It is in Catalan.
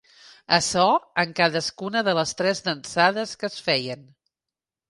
Açò en cadascuna de les tres dansades que es feien.